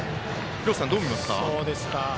廣瀬さん、どう見ますか？